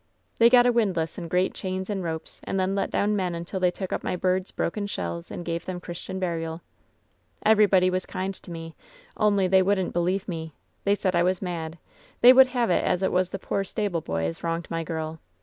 They got a wind lass and great chains and ropes, and then let down men and they took up my birds' broken shells and gave them Christian burial. "Everybody was kind to me, only they wouldn't be lieve me. They said I was mad. They would have it as it was the poor stableboy as wronged my girl.